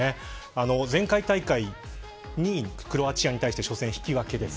前回大会２位クロアチアに対して初戦、引き分けです。